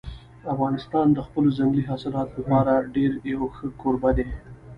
افغانستان د خپلو ځنګلي حاصلاتو لپاره یو ډېر ښه کوربه دی.